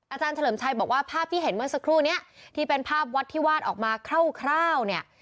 อาจารย์เฉลิมชัยบอกว่าภาพที่เห็นเมื่อสักครู่นี้ที่เป็นภาพวัดที่วาดออกมาคร่าวเนี่ย